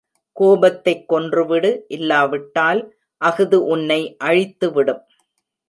கோபத்தைக் கொன்றுவிடு இல்லாவிட்டால் அஃது உன்னை அழித்து விடும்.